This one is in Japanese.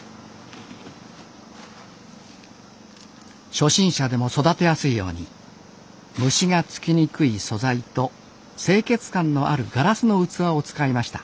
初心者でも育てやすいように虫がつきにくい素材と清潔感のあるガラスの器を使いました。